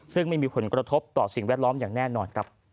ซึ่งไม่มีผลกระทบต่อสิ่งแวดล้อมอย่างแน่นอนครับ